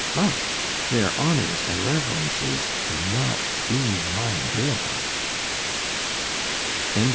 ——But their honours and reverences had not seen my bills. C H A P.